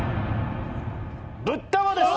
ぶったまです。